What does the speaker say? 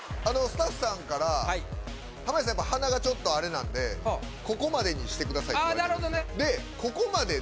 スタッフさんから濱家さん鼻がちょっとあれなんでここまでにしてくださいって言われてるんですよで